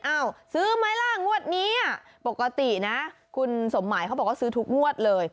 ซื้อไหมล่ะงวดนี้ปกตินะคุณสมหมายเขาบอกว่าซื้อทุกงวดเลย